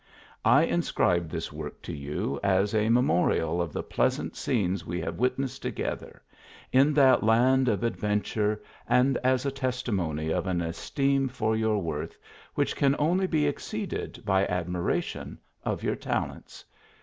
I inscribe this work to you, as a memorial of the pleasant scenes we have witnessed together, in that land of adventure, and as a testimony of an esteem for your worth, which can only !,e exceeded by ad miration of your talents.